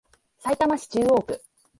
さいたま市中央区